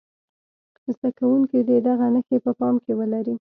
زده کوونکي دې دغه نښې په پام کې ولري.